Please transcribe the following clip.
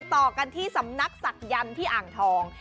ต่อกันที่สำนักศักยันต์ที่อ่างทอง